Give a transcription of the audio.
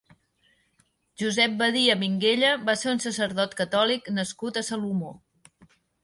Josep Badia Minguella va ser un sacerdot catòlic nascut a Salomó.